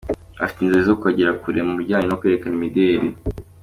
Bafite inzozi zo kuzagera kure mu bijyanye no kwerekana imideri.